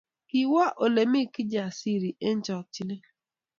Kiwo Ole mi Kijasiri eng chokchinet